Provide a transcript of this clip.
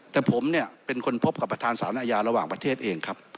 แต่ผมเนี่ยเป็นคนพบกับประธานสารอาญาระหว่างประเทศเองครับ